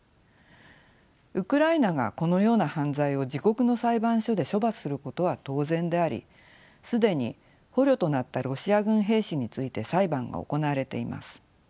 ウクライナがこのような犯罪を自国の裁判所で処罰することは当然であり既に捕虜となったロシア軍兵士について裁判が行われています。